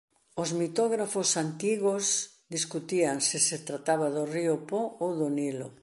Os mitógrafos antigos discutían se se trataba do río Po ou do Nilo.